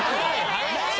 早い！